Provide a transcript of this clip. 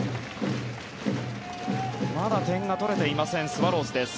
まだ点が取れていませんスワローズです。